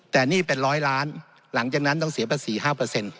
แต่หนี้เป็นร้อยล้านหลังจากนั้นต้องเสียภาษี๕